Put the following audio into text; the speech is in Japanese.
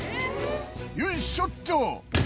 「よいしょっと！」